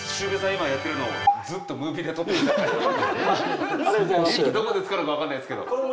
今やってるのをいつどこで使うのか分かんないですけど。